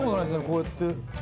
こうやって。